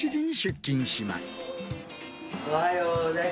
おはようです。